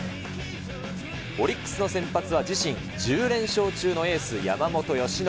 オリックスの先発は自身１０連勝中のエース、山本由伸。